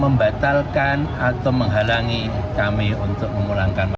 membatalkan atau menghalangi kami untuk memulangkan masalah